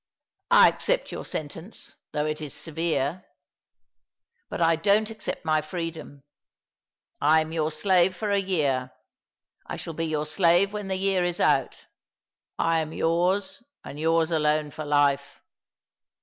" I accept your sentence, though it is severe ; but I don't accept my freedom. I am your slave for a year. I shall be your slave when the year is out. I am yours, and yours alone for hfe.